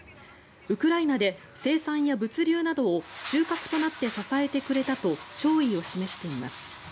ウクライナで生産や物流などを中核となって支えてくれたと弔意を示しています。